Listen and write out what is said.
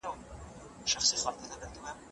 حکومت بشري حقونه نه محدودوي.